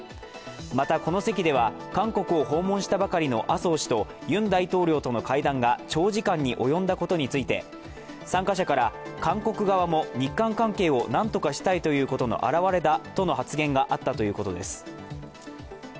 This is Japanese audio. また、この席では、韓国を訪問したばかりの麻生氏とユン大統領との会談が長時間に及んだことについて参加者から、韓国側も日韓かけを何とかしたいということの表れだとの発言があったということです。